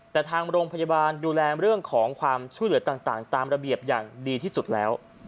แต่ทางโรงพยาบาลดูแลเรื่องของความช่วยเหลือต่างตามระเบียบอย่างดีที่สุดแล้ว